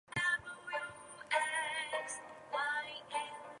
During these years Joe becomes sexually attracted to fleshy blondes.